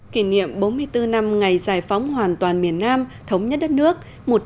kỷ niệm bốn mươi bốn năm ngày giải phóng hoàn toàn miền nam thống nhất đất nước